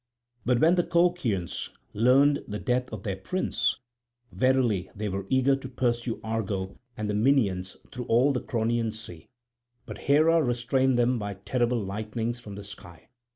But when the Colchians learnt the death of their prince, verily they were eager to pursue Argo and the Minyans through all the Cronian sea. But Hera restrained them by terrible lightnings from the sky.